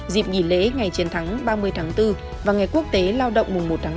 dịp nghỉ lễ ngày chiến thắng ba mươi tháng bốn và ngày quốc tế lao động mùng một tháng năm